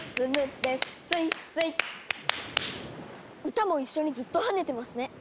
歌も一緒にずっと跳ねてますね！